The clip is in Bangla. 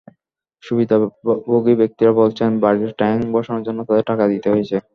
সুবিধাভোগী ব্যক্তিরা বলছেন, বাড়িতে ট্যাংক বসানোর জন্য তাঁদের টাকা দিতে হয়েছে।